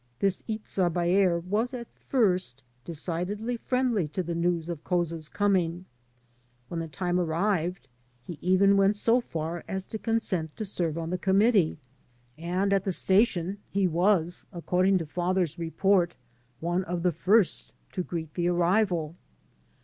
This Itza Baer was at first decidedly friendly to the news of Couza's coming. When the time arrived he even went so far as to consent to serve on the committee, 10 THE PROPHET FROM AMERICA and at the station he n^as, accordmg to father's report^ one of the first to greet the arrival.